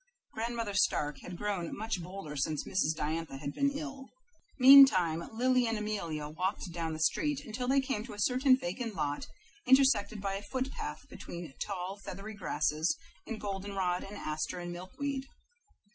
Grandmother Stark had grown much bolder since Mrs. Diantha had been ill. Meantime Lily and Amelia walked down the street until they came to a certain vacant lot intersected by a foot path between tall, feathery grasses and goldenrod and asters and milkweed.